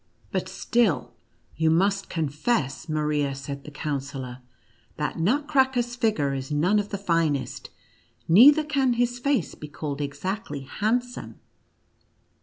" But still you must confess," Maria, said the Counsellor, " that Nutcracker's figure is none of the finest, neither can his face be called exactly handsome.